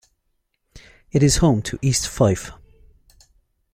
It is home to East Fife.